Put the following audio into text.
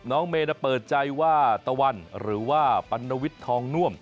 น้องเมย์เปิดใจว่าตะวันหรือว่าปัณวิทย์ทองน่วม